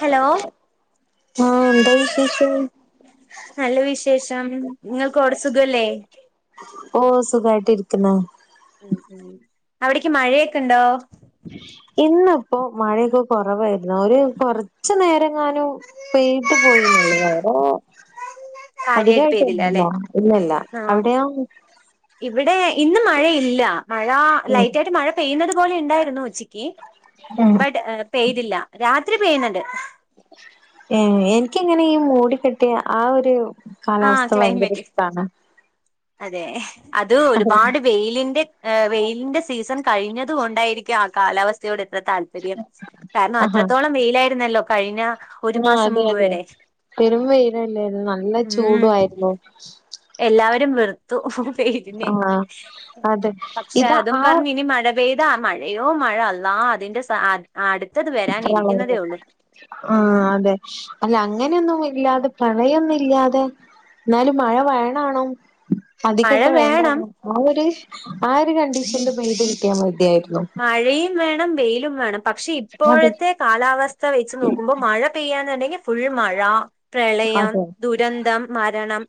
Hello ആ എന്താ വിശേഷം നല്ല വിശേഷം നിങ്ങൾക്കടെ സുഖല്ലേ ഓ സുഖായിട്ടരിക്കുന്ന ഉം ഉ അവിടക്ക് മഴയൊക്കെ ഉണ്ടോ ഇന്നിപ്പോ മഴയൊക്കെ കുറവായിരുന്നു ഒരുര് കൊറച്ച നേരം ഞാനും പെയട്ട് പോയി നല്ലത വറോ കാര്യായിട്ട് പെയ്തില്ല അല്ലെ അധികമായിട്ട്ന്നല്ലോ ഇന്നല്ല അവിടെയാ ഇന്നും മഴയില്ല മഴ ഉം ലൈറ്റ് ആായിട്ട് മഴ പെയ്യുന്നത് പോലെ ഉണ്ടായിരുന്നു ഉച്ചിക്ക് ബട്ട് പെയ്തില്ല രാത്രി പെയ്യുന്നുണ്ട് ഏ എനിക്ക എങ്ങനെ ഈ മൂട കെട്ടിയ ആ ഒരു ആ കാലാവസ്ഥ ഭയങ്കര ക്ലൈമറ്റ് ഇഷ്ടാണ് അതെ അത് ഒരുപാട് വെയിലിന്റെ വെയിലിന്റെ സീസൺ കഴിഞ്ഞതുക കൊണ്ടായിരിക്കും ആ കാലാവസ്ഥ വ്യയോട് എത്ര താല്പര്യം കാരണം ആഹാ അത്രത്തോളം വെയിലായിരുന്നല്ലോ കഴിഞ്ഞ ഒരു മാസം മുമ്പ് വരെ വെരുമ്പയിലല്ലായിരുന്നു നല്ല ചൂടു ഉം ആായിരുന്നു എല്ലാവരും വെറുത്തു പെയ്തിനെ ആഹ് അതെ പക്ഷെ ഇതാ അതും ആ പറഞ്ഞ് ഇനി മഴ പെയ് ത മഴയോ മഴ അള്ളാ അതിന്റെ സ അ അടു പ്രളയം ആ ഉം അതെ അല്ല അങ്ങനെയൊന്നും ഇല്ലാതെ പ്രളയം നി ട്ടിയാതെ എന്നാലും മഴ വേണാണോ പതി മഴ കെട്ട വേണം വേണ്ടണോ ആ ഒരു ആ ഒരു കണ്ടീഷൻ പെയ്ത് കിട്ടിയാൽ മതിയാ മഴയും വേണം വെയിലും വേണം പക്ഷെ അതെ ഇപ്പോഴത്തെ കാലാവസ്ഥ വെച്ച് നോക്കുമ്പോ മഴ പെയ്യാന്നുണ്ടെങ്കിൽ ഫുൾ മഴ പ്രളയം അതെ ദുരന്തം മരണം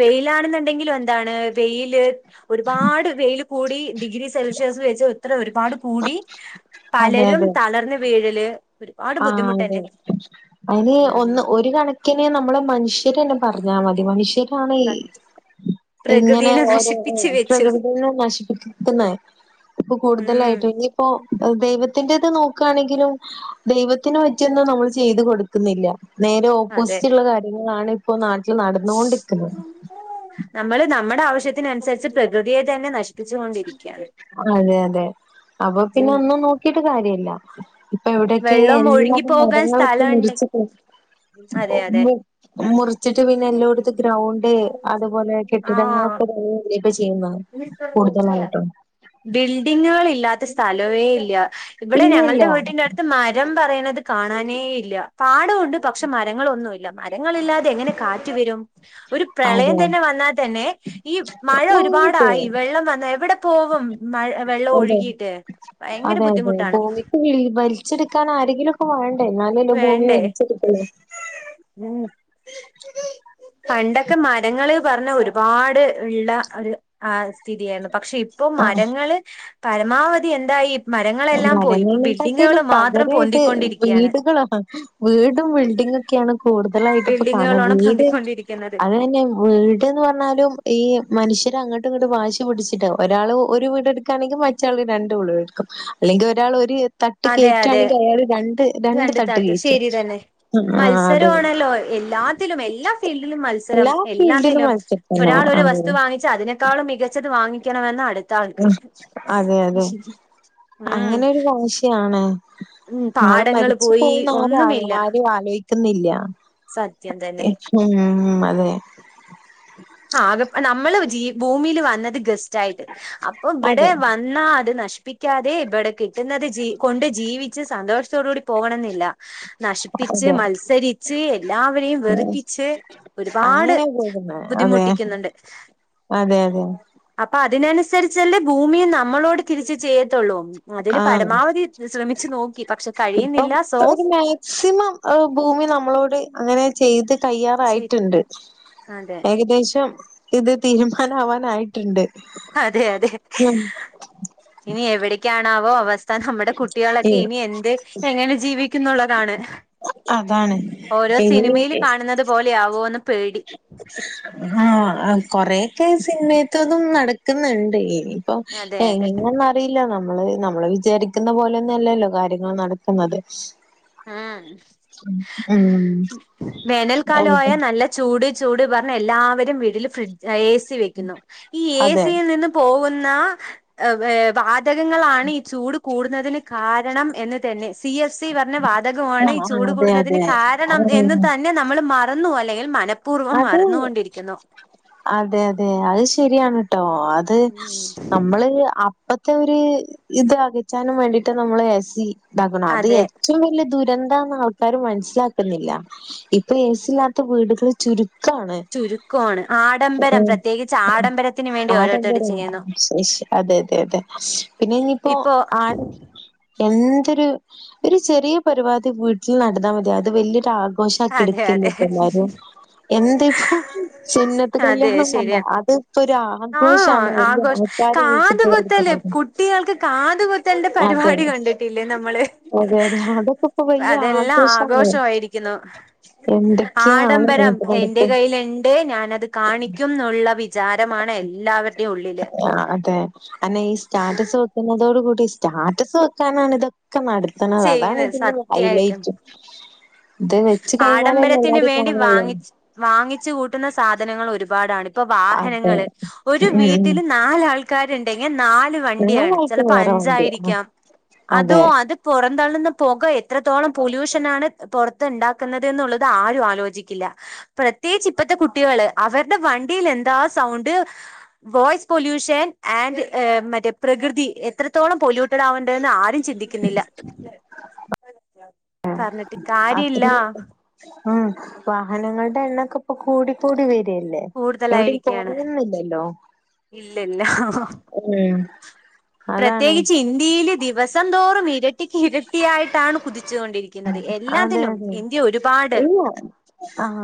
വെയിലാണെന്നുണ്ടെങ്കിലും എന്താണ് വെയില് ഒരുപാട് വെയില് കൂടി ഡിഗ്രി സെൽഷ്യസ് വെച്ച് എത്ര ഒരു പാട് കൂടി അതെ പലരും അതെ തളർന്ന് വീഴല് ഒരുപാട് ആഹ് അതെ ബുദ്ധിമുട്ടന്നെ അയിന് ഉം ഒന്ന് ഒരു കണക്കിന് നമ്മള് മനുഷ്യരന്നെ പറഞ്ഞാ മതി മനുഷ്യരാണ് ഈ ഇങ്ങനെ പ്രകൃതിനെ ഓരോ നശിപ്പിച്ച് വെച്ചു പ്രകൃതിനെ നശിപ്പിക്കുന്നെ ഇപ്പൊ ഉം കൂടുതലായിട്ടും ഇനിയിപ്പോ ദൈവത്തിന്റെ നോക്കുവാണെങ്കിലും ദൈവത്തിന് പറ്റിയൊന്നും നമ്മൾ ചെയ്ത് കൊടുക്കുന്നില്ല നേരെ അതെ ഓപ്പോസിറ്റ്ള്ള കാര്യങ്ങളാണ് ഇപ്പോ നാട്ടില് നടന്നൊണ്ടിക്കുന്നെ ത്യത്തിനനുസരിച്ച് പ്രകൃതിയെ തന്നെ നശിപ്പിച്ചുകൊണ്ടിരിക്കാണ് അതെ അതെ അപ്പൊ പിന്നെ ഒന്നും നോക്കിട്ട് കാര്യല്ല ഇപ്പൊ എവിടൊക്കെ വെള്ളം ഒഴുകി എല്ലാരും പോകാൻ മരങ്ങളൊക്കെ സ്ഥലണ്ട് മുറിച്ച് പോ അതെ അതെ മുറിച്ചിട്ട് പിന്നെ എല്ലോട്ത്തും ഗ്രൗണ്ട് അതുപോലെ കെട്ടിടങ്ങളൊക്കെ ഇപ്പൊ ചെയ്യുന്നത് കൂടുതലായിട്ടും ബിൽഡിങ്ങാളില്ലാത്ത സ്ഥ സ്ഥലവേല്ല ഇവിടെ ഇല്ല ഇല്ല ഞങ്ങൾടെ വീട്ടിന്റെ അടുത്ത് മരം പറയ ന്നത് കാണാനേ ഇല്ല പാടവൊണ്ട് പക്ഷെ മരങ്ങളൊന്നുല്ല മരങ്ങളില്ലാതെങ്ങനെ കാറ്റ് വെരും ഒരു പ്രളയം അതെ തന്നെ വന്നാ തന്നെ ഈ മഴ ഒരു മുങ്ങിപ്പോവും പാടായി വെള്ളം വന്ന എവിടെ പോവും മഴ വെള്ളം അതെ ഒഴുകിട്ട് ഭയങ്കര അതെ ബുദ്ധിമുട്ടാണ് [unintelligible] വലിച്ചെടുക്കാൻ ആരെങ്കിലും വേണ്ടേ ഉം പണ്ടൊക്കെ മരങ്ങള് പറഞ്ഞ ഒരുപാട് ള്ള ഒരു ആ സ്ഥിതിയാണ് പക്ഷെ ഇപ്പോ ആ മരങ്ങള് പരമാവധി എന്തായി മരങ്ങളെല്ലാം പോയി ഇപ്പൊ ബിൽഡിങ്ങുകൾ മരങ്ങളെക്കാട്ടിലും മാത്രം പകരായിട്ട് പൊന്തിക്കൊണ്ടിരിക്കുകയാണ് വീടുകളാ വീടും ബിൽഡിങ്ങൊക്കെണ് കൂടുതലായിട്ട് പ്പൊ കാണ ബിൽഡിങ്ങുകളാണ് വീട് പൊന്തിക്കൊണ്ടിരിക്കുന്നത് അത് തന്നെ വീട്ന്ന് പറഞ്ഞാലും ഈ മനുഷ്യര് അങ്ങോട്ടും ഇങ്ങോട്ടും വാശി പിടിച്ചിട്ടാ ഒരാള് ഒരു വീട് ട്ക്കാണെങ്കിൽ മറ്റാൾ രണ്ട് വീട് ട്ക്കും അല്ലെങ്കി ഒരാൾ ഒരു തട്ട് അതെ അതെ കേറ്റാണെങ്കി അയാൾ രണ്ട് രണ്ട് തട്ട് കേറ്റും മത്സരവാണല്ലോ എല്ലാത്തിലും എല്ലാ ഫീൽഡിലും മത്സരം എല്ലാ ഫീൽഡിലും എല്ലാത്തിലും മത്സരം തന്നെ ഒരാൾ ളൊരു അതെ വസ്തു വാങ്ങിച്ച അതിനേക്കാളും മികച്ചത് വാങ്ങിക്കണമെന്ന അടു ഉം അതെ അതെ ഉം അങ്ങനെ ഒരു വാശിയാണ് ഉം നാളെ പാടങ്ങൾ മരിച്ചു പോയി പോവുന്ന് ഒന്നുമില്ല ആരും [unintelligible] ആലോയ്ക്കുന്നില്ല സത്യം തന്നെ [unintelligible] അതെ ആ അത് നമ്മള് ജീ ഭൂമിയില് വന്നത് ഗസ്റ്റായിട്ട് അപ്പൊ ഇവിടെ അതെ വന്നാ അത് നശി പ്പിക്കാതെ ബെടെ കിട്ടുന്നത് ജീ കൊണ്ട് ജീവിച്ച് സന്തോഷത്തോടു കൂടി പോകണന്നില്ല. നശിപ്പിച്ച് അതെ മത്സരിച്ച് എല്ലാവരെയും വെറുപ്പിച്ച് ഒരുപാട് അങ്ങനെ പോകുന്നെ അതെ ബുദ്ധിമുട്ടിക്കുന്ന്ണ്ട്. അതെ അതെ അപ്പ അതിനനുസരിച്ചല്ലേ ഭൂമിയും നമ്മളോട് തിരിച്ച് ചെയ്യ ത്തുള്ളൂ അതിന് ആഹ് പരമാവധി ശ്രമിച്ചു നോക്കി പക്ഷെ കഴിയുന്നില്ല സോ അഹ് ഭൂമി നമ്മളോട് അങ്ങനെ ചെയ്ത് ശരി കയ്യാറായിട്ട്ണ്ട് അതെ ഏകദേശം ഇത് തീരുമാനം ആവാനായിട്ട്ണ്ട്. അതെ അതെ ഇനി എവിടേക്കാണാവോ താൻ ഹമ്മടെ കുട്ടികളൊക്കെ ഏഹ് ഇനി എന്ത് എങ്ങെനെ ജീവിക്കുന്നുള്ളതാണ് അതാണ് ഓരോസിനിമയിൽ കാണുന്നതുപോലെ യാവോന്ന്. ഹാഹ് കൊറേക്കെ തിൻമേത്തതും നടക്കുന്നുണ്ടിപ്പം. അതെ എഹ് അതെ ഇങ്ങന്നറിയില്ല, നമ് മ്മള് നമ്മള് വിചാരിക്കുന്ന പോലെന്നുല്ലല്ലോ കാര്യങ്ങൾ നടക്കുന്നത്. ആം ഉം വേനൽക്കാലമായാ നല്ല ചൂട്. ചൂട് പറഞ്ഞെല്ലാവരും വീട്ടല് ഫ്രിഡ്, അല്ല എ സി വെക്കുന്നു. ഈ എ അതെ സിയിൽ നിന്നുപോഉ ന്ന, വാതകങ്ങളാണീചൂട് കൂടുന്നതിന് കാരണമെന്നുതന്നെ സി. എഫ്. സി വന്ന വാതകമാണീ ആഹ് ആഹ് ചൂട് അതെ കൂടുന്നതിന് അതെ ഉം കാരണമെന്നുതന്നെ നമ്മള്, മറന്നുവല്ലെങ്കിൽ മനപ്പ അതെ, അതെയതെ അതു ശരിയാണ്. ട്ടോ, ഉം അത്‌നമ്മളപ്പ ഒരിത്അകറ്റാനും വേണ്ടിയിട്ട് നമ്മള് എ. സി ഉണ്ടാക്കണം. അത് അതെ ഏറ്റവുംവലിയ ദുരി എന്താന്ന് ആൾക്കാർ മനസ്സിലാക്കുന്നില്ല, ഇപ്പം എ. സിയില്ലാത്ത വീടുകൾ ചുരു ക്കാണ്. ചുരുക്കമാണ് ആഡംബരം പ്രത്യേകിച്ച് ആഡംബരത്തിന് വേണ്ടി ഓരോരുത്തര് ആഡംബര ചെയ്യുന്നു അതെയതെയതെ, പിന്നെയിനിയിപ്പോ ഇപ്പോ ലാൺഎന്തൊരു ഒരു ചെറിയപരിപാടി വീട്ടിൽ നടന്നാൽ മതി അതുവലിയൊരാ ഘോഷാക്കി അതെ എടുത്തില്ലേ അതെ പിള്ളാരും, എന്തുചെയ്യും എന്നിട്ട് അതെ കല്യാണംവന്നു ശരിയാ അതിപ്പോ ഒരു ആഹ് ആഘോഷമാണ്,. വല്യ ആഘോഷ ആൾക്കാര്‌ വിളിച്ചിട്ടുള്ള യൊരു കാതുകുത്തല് പരിപാടി. കുട്ടികൾക്ക് കാതുകുത്തലിന്റെ അതെ പരിപാടി കണ്ടിട്ടില്ലേ നമ്മള്. അതെ അതെ അതൊക്കെ ഇപ്പൊ വലിയ ആഘോഷാണ് അതെല്ലാമാഘോഷമായിരിക്കുന്നു. എന്തൊക്കെയാണ്.. ഉം എന്റെ കൈയ്യിലുണ്ട്. ഞാനതുകാണിക്കു മെന്നുള്ള വിചാരമാണെല്ലാവർക്കും. ആ, അതെ അന്നീസ്റ്റാറ്റസ് വെക്കുന്നതോടു കൂടി സ്റ്റാറ്റസ് വെക്കാനാണിതൊ ഒക്കെ നടത്തണത് അതാണ് ചെയ്യുന്നത് ഇതിന്റെയൊരുഹൈലൈറ്റും. ആഡംബരത്തിനു വേണ്ടി കാണുള്ളൂ വാങ്ങിച്ചു. വാങ്ങിച്ചു കൂട്ടുന്ന സാ സാധനങ്ങളൊരുപാടാണ്. അതെ ഇപ്പൊവാഹനങ്ങളൊരു ഉം ഉം വീട്ടില് നാലാൾക്കാരുണ്ടെങ്കിൽ നാലുവണ്ടിയാണ്. ഞങ്ങൾക്കും ചിലപ്പോ വേറെ വണ്ടിയാ ആഹ് അഞ്ചായിരിക്കാം, അതെ അതോയതുപുറന്തള്ളുന്ന പുക എത്രത്തോളം പൊല്യൂഷനാണ്, പുറ ഇതുണ്ടാക്കുന്നതെന്നുള്ളത് ആരും ആലോചിക്കില്ല. പ്രത്യേകിച്ച് ഇപ്പളത്തെ കുട്ടികള് അവരുടെ വണ്ടിയിലെ എന്താസൗണ്ട്, വോയിസ് പൊല്യൂഷൻആൻഡ് മറ്റേ പ്രകൃതി. എത്രത്തോളം പൊല്യൂട്ടടാകണ്ടേന്ന.. ചിന്തിക്കുന്നില്ല. പറഞ്ഞിട്ടു കാര്യമില്ല.. അത്രയും ഉം.. വാഹനങ്ങളുടെ എണ്ണമൊക്കെ ഇപ്പംകൂടിക്കൂടി വരും പിന്നെ, എവിടയും പോയിരിന്നില്ലല്ലോ ഇല്ലില്ല അതാണ് പ്രത്യേകിച്ച്ഇന്ത്യയിലുദിവസംതോറും, ഇരട്ടിക്കിരട്ടിയായിട്ടാണ് കുതി അതെയതെ ഒരുപാട് എങ്ങോ ആഹ..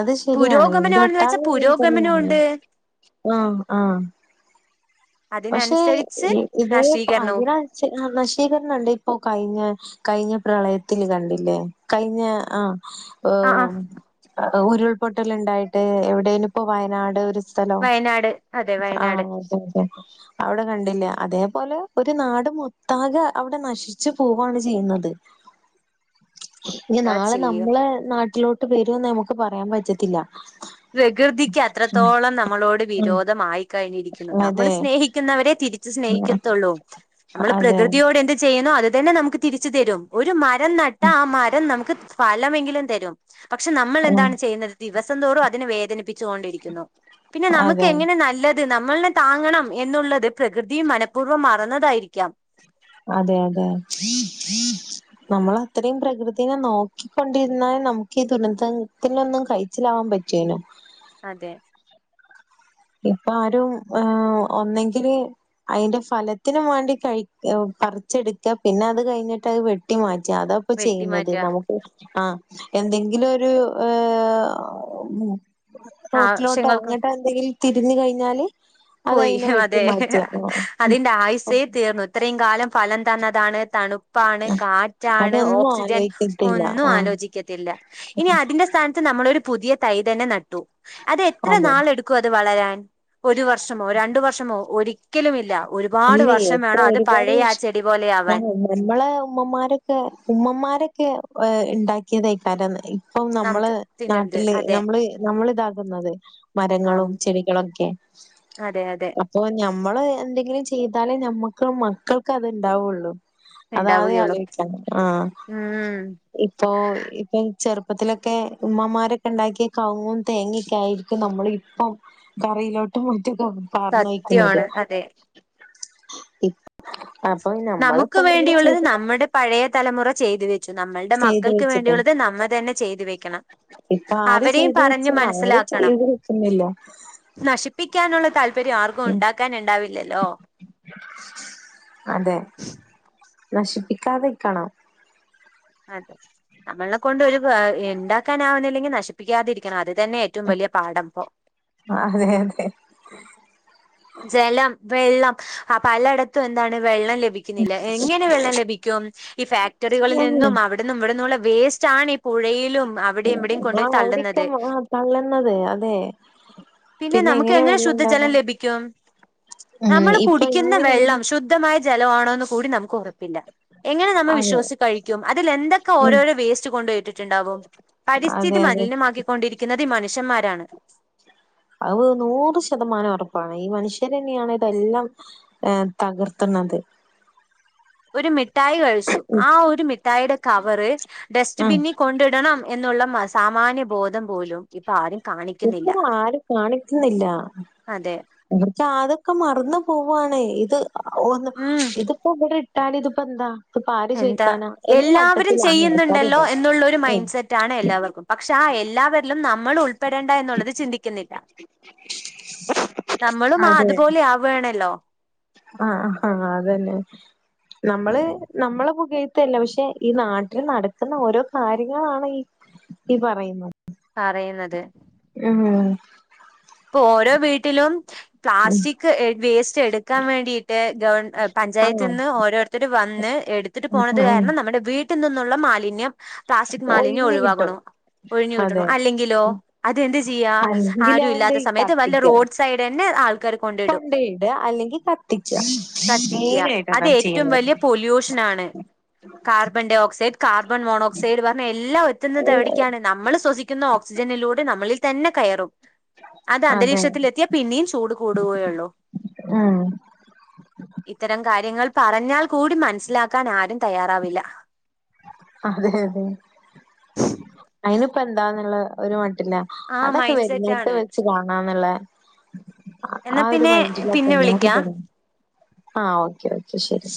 അതുശരിയാണ്. ഇന്ത്യ പുരോഗമനമാണെന്ന് വെച്ചാൽ യൊട്ടാകെ ഇതുതന്നെ പുരോഗമനമുണ്ട് ആഹ്.. ആഹ.. അതിനനുസരിച്ച് പക്ഷേയിതേ നഷ്ടീകരണവും അതിന നശീകരണമല്ലേ ഇപ്പൊ കഴിഞ്ഞേ, കഴിഞ്ഞ പ്രളയത്തിലുകണ്ടില്ലേ കഴിഞ്ഞ ആ.. ആ ആ ഉരുൾപൊട്ടലുണ്ടായിട്ട്, എവിടെനും ഇപ്പോ വയനാട് ഒരു സ്ഥലോ, വയനാട് അതെ ആ.. വയനാട് അതെയതെ അവിടെ കണ്ടില്ലേ, അതേപോലെ ഒരു നാട് മൊത്താകെ അവിടെ നശിച്ചു പോവാണ് ചെയ്യുന്നത്. ഇനി എന്താ ചെയ്യ നാളെനമ്മളെ നാട്ടിലോട്ടു വരുമെന്ന് നമുക്ക് പറയാൻ പറ്റത്തില്ല. പ്രകൃതിക്ക് ഉം ഉം. കഴിഞ്ഞരിക്കുന്നു. നമ്മള് അതെ സ്നേഹിക്കുന്നവരെ ഉം. തിരിച്ചുസ്നേഹിക്കത്തുള്ളൂ. അതെ നമ്മള്പ്രകൃതിയോട് എന്ത് ചെയ്യു അതുതന്നെ നമുക്കു തിരിച്ചുതരും. ഒരു മരം നട്ടാൽ ആ, മരംനമുക്ക് ഫലമെങ്കിലും.. തരും. പക്ഷേ നമ്മളെ ഉം ന്താണുചെയ്യുന്നത്, ദിവസംതോറും അ.. ചോണ്ടിരിക്കുന്നോ പിന്നെ നമുക്ക് അതെ എങ്ങെനെ നല്ലത് നമ്മളേ താങ്ങണം എന്നുള്ളത് പ്രകൃതി മനഃപൂർവ്വം മറന്നതായിരിക്കാം അതെ അതെ നമ്മൾ അത്രയും പ്രകൃതിനെ നോക്കിക്കൊണ്ടിരുന്നാൽ നമുക്ക് ഈ ദുരന്തത്തിനൊന്നും കഴിച്ചിലാ പറ്റെനു അതെ ഇപ്പ ആരും അഹ് ഒന്നെങ്കില് അതിന്റെ ഫലത്തിന് വാണ്ടി കഴി ഉഹ് പറിച്ചെടുക്കുക പിന്നെ അത് കഴിഞ്ഞിട്ട് അത് വെട്ടി മാ ച്ച അതാപ്പൊ ചെയ്യുന്നത് വെട്ടിമാറ്റുക നമുക്ക് ആ എന്തെങ്കിലും ഒരു ഏ റോട്ടിലോട്ടോ ആവശ്യങ്ങൾക്ക് അങ്ങോട്ട് എന്തെങ്കിലും തിരുന്ന് കഴിഞ്ഞാല് അത് പോയി അയിനെ വെട്ടി അതെ മാറ്റാ അതിന്റെ ആയുസെ തീർന്നു ഇത്രയും കാലം ഫലം തന്നതാണ് തണുപ്പാണ് കാറ്റാണ് അതൊന്നും ഓക്സിജൻ ആലോചിച്ചിട്ടില്ല ഒന്നും ആഹ് ആലോചിക്കത്തില്ല ഇനി അതിന്റെ സ്ഥാനത് നമ്മൾ ഒരു പുതിയ തൈ തന്നെ നട്ടു അത് എത്ര അതെ നാൾ എടുക്കും അത് വളരാൻ ഒരു വ ർഷമോ രണ്ട് വർഷമോ ഒരിക്കലും ഇല്ല ഒരുപാട് ഇല്ലേ വർഷം എത്ര വേണം അത് പഴയ ഒരുപാട് ആ ചെടി പോലെ ആ ആവാൻ നമ്മളെ ഉമ്മമാരൊക്കെ ഉമ്മമാരൊക്കെ വേ ഉണ്ടാക്കിയതായിക്കാര ഇപ്പം നമ്മള് നമുക്ക് തിന്നത് നാട്ടില് അതെ നമ്മള് നമ്മള് ഇതാകുന്നത് ആ മരങ്ങളും ചെടികളൊക്കെ അതെ അതെ അപ്പൊ ഞമ്മൾ എന്തെങ്കിലും ചെയ്താലേ ഞമ്മക്കും മക്കൾക്ക് അത്ണ്ടാവുള്ളു അതാതെ ഉണ്ടാവുകയുള്ളൂ ആലോയിച ആ ഉം ഇപ്പൊ ഇപ്പൊ ചെറുപ്പത്തിലൊക്കെ ഉമ്മാരൊക്കെ ഉണ്ടാക്കിയ കവങ്ങും തേങ്ങൊക്കെ ആയിരിക്കും നമ്മൾ ഇപ്പം കറിയിലോ ഇറ്റൊക്കെ പറഞ്ഞു ഒഴികുന്നത് സത്യമാണ് അതെ നമുക്ക് വേണ്ടിയുള്ളത് നമ്മുടെ പഴയ തലമുറ ചെയ്തു വെച്ചു നമ്മളുടെ ചെയ്ത് മക്കൾക്ക് വെച്ചിട്ടാ വേണ്ടിയുള്ളത് നമ്മൾ തന്നെ ചെയ്തു വെ ണം ഇപ്പൊ ആര് അവരെയും ചെയ്തു പറഞ്ഞു വെച്ച ആരും മനസ്സിലാക്കണം ചെയ്തു വെക്കുന്നില്ല നശി പ്പിക്കാനുള്ള താല്പര്യം ആർക്കും ഉം ഉണ്ടാക്കാൻ ഉണ്ടാവില്ലല്ലോ അതെ നശിപ്പിക്കാതെരിക്കണം അതെ നമ്മള കൊണ്ട് ഒരു ഉണ്ടാക്കാനആാവുന്നില്ലെങ്കിൽ നശിപ്പിക്കാതെരിക്കണം അത് തന്നെ ഏറ്റവും വലിയ പാടപ്പോ അതെ അതെ ജലം വെള്ളം അ പലയിടത്തും എന്താണ് വെള്ളം ലഭിക്കുന്നില്ല എങ്ങനെ വെള്ളം ലഭിക്കും ഈ ഫാക്ടറികളിൽ ഉം നിന്നും അവിടും ഇവിടുന്നുള്ള വേസ് റ്റാണി ഈ പുഴയിലും അവിടെയും ഇവിടെയും കൊണ്ടു ആ പോയി അവിടെക്കെ തള്ളുന്നത് ആ തള്ളുന്നത് അതെ പിന്നെ നമുക്ക് എങ്ങനെ ശുദ്ധജലം ലഭി കും ഉം നമ്മൾ ഇപ്പൊ കുടിക്കുന്ന വെള്ളം എങ്ങനെയാലും ശുദ്ധമായി ജലവാണോന്ന് കൂടി നമുക്ക് ഉറപ്പില്ല എങ്ങനെ നമ്മൾ അതെ വിശ്വസിച്ചു കഴിക്കും അതിൽ എന്തൊക്കെ ഉം ഓരോരോ വേസ്റ്റ് കൊണ്ടപോട്ടിട്ടുണ്ടാവും അതെ പരിസ്ഥിതി മതി അതെ ലിന്യമാക്കിക്കൊണ്ടിരിക്കുന്നത് ഈ മനുഷ്യന്മാരാണ് അത് നൂറ് ശതമാനം ഉറപ്പാണ് ഈ മനുഷ്യർ തന്നെയാണ് ഏഹ് ഇതെല്ലാം തകർത്ത ന്നത് ഒരു മിഠായി കഴിച്ചു ആ ഒരു മിഠായിയുടെ കവറ് ഉം ഡസ്റ്റ്ബിനിൽ കൊണ്ടിടണം എന്നുള്ള സാമാന്യ ബോധം പോലും ഇപ്പൊ ആരും കാണിക്കുന്നില്ല ഇപ്പോൾ ആരും കാണിക്കുന്നില്ല അതെ ന്നൊക്കെ അതൊക്കെ മറന്ന് പോവാണെ ഇത് ഒന്ന് ഉം ഇതിപ്പോ [unintelligible] കിട്ടാൻ ഇതിപ്പോ എന്താ ഇതിപ്പോ ആര് എന്താ ചോദിക്കാനാ? എന്ന എല്ലാവരും മട്ടത്തിലാണ് ആൾക്കാര് ചെയ്യുന്നുണ്ടല്ലോ ഇടാ. എന്നുള്ള ഒരു ഉം. മൈൻഡ് സെറ്റ് ആണ് എല്ലാവർക്കും പക്ഷെ ആ എല്ലാവരിലും നമ്മൾ ഉൾപ്പെടേണ്ട എന്നുള്ളത് ചിന്തിക്കുന്നില്ല നമ്മളും ആ അതുപോലെ ആവണല്ലോ അഹ് അതന്നെ നമ്മള് നമ്മള ഴുത്തല്ല പക്ഷെ ഈ നാട്ടിൽ നടക്കുന്ന ഓരോ കാര്യങ്ങളാണ് ഈ ഈ പറയുന്നത് പറയുന്നത് ഉം ഇപ്പൊ ഓരോ വീട്ടിലും പ്ലാസ്റ്റിക് വേസ്റ്റ് എടുക്കാൻ വേണ്ടീട്ട് ഗവൺ പ പഞ്ചായത്തിൽ ആഹ് നിന്ന് ഓരോരുത്തര് വന്ന് എടുത്തിട്ട് പോണത് ആഹ് കാരണം നമ്മുടെ വീട്ടിൽ നിന്നുള്ള മാലിന്യം പ്ലാസ്റ്റിക് മാലിന്യം ഒഴിഞ്ഞ് കിട്ടും. ഒഴിവാകണു ഒഴിഞ്ഞു കിട്ടണു അതെ. അല്ലെങ്കിലോ അതെന്ത് ചെയ്യാ ആരും അല്ലെങ്കിലാണ്ട് ഇല്ലാത്ത സമയത്ത് വല്ല കത്തിക്കാ. റോഡ് സൈഡ് ഇന്നേ ആൾ ആൾക്കാർ കൊണ്ടിടും കൊണ്ടോയിടാ അല്ലെങ്കിൽ കത്തിക്കാ. കത്തിക്കുക മെയിനായിട്ട് അത് അതാ ഏറ്റവും ചെയ്യുന്നത്. വലിയ പൊല്യൂഷൻ ആണ് carbon dioxide carbon monoxide പറഞ്ഞ് എല്ലാം എത്തുന്നത് എവിടേക്കാണ് നമ്മൾ ശ്വസിക്കുന്ന ഓക്സ് ജനിലൂടെ നമ്മളിൽ തന്നെ കയറും. അത് അതെ. അന്തരീക്ഷത്തിലെത്തിയാ പിന്നെയും ചൂട് കൂടുകയുള്ളൂ. ഉം. ഇത്തരം കാര്യങ്ങൾ പറഞ്ഞാൽ കൂടി മനസിലാക്കാൻ ആരും തയ്യാറാവില്ല. അതെ അതെ അയിനിപ്പം എന്താന്നുള്ള ഒരു മ ട്ടിലാ ആ അതൊക്കെ മൈൻഡ് വരുന്നെടുത്ത് സെറ്റാണ്. വെച്ച് കാണാന്നുള്ള ആ എന്നാ ഒരു പിന്നെ മൈൻഡിലാ ഇപ്പോ പിന്നെ എല്ലാരും വിളിക്കാം തന്നെ ആഹ് ഓക്കെ ഓക്കെ ശരി